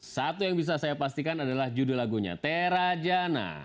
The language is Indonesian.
satu yang bisa saya pastikan adalah judul lagunya terajana